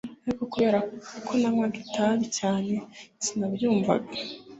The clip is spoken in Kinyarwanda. Ariko kubera ko nanywaga itabi cyane sinabyumvaga